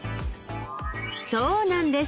そうなんです。